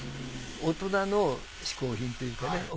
大人の嗜好品というかね